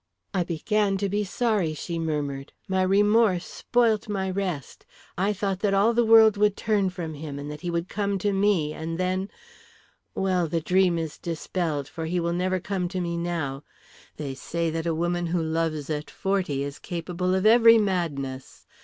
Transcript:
"I began to be sorry," she murmured. "My remorse spoilt my rest; I thought that all the world would turn from him, and that he would come to me, and then Well, the dream is dispelled, for he will never come to me now. They say that a woman who loves at forty is capable of every madness.